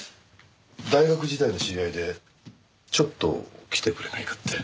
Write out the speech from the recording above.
大学時代の知り合いでちょっと来てくれないかって。